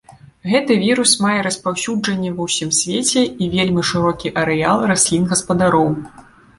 Гэты вірус мае распаўсюджанне ва ўсім свеце і вельмі шырокі арэал раслін-гаспадароў.